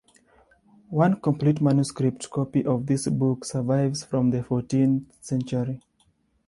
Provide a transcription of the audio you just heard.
One complete manuscript copy of this book survives from the fourteenth century.